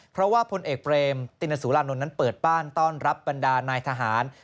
เพราะว่าพลเอกเบรมตินสุรานนท์นั้นเปิดบ้านต้อนรับบรรดานายทหาร